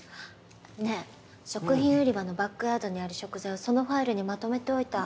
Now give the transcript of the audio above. ねえ食品売り場のバックヤードにある食材をそのファイルにまとめておいた。